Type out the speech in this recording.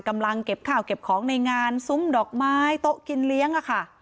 กำลังเก็บข้าวเก็บของในงานซุ้มดอกไม้โต๊ะกินเลี้ยงอะค่ะ